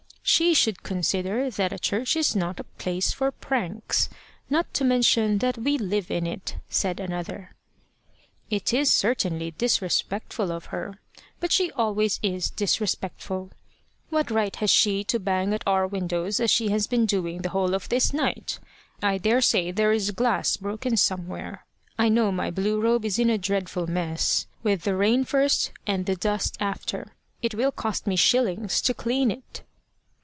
"She should consider that a church is not a place for pranks, not to mention that we live in it," said another. "It certainly is disrespectful of her. But she always is disrespectful. What right has she to bang at our windows as she has been doing the whole of this night? I daresay there is glass broken somewhere. I know my blue robe is in a dreadful mess with the rain first and the dust after. It will cost me shillings to clean it."